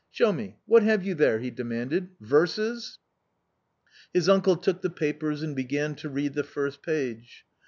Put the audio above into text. "Show me what have you there?" he demanded; " verses ?" His uncle took the papers and began to read the first page.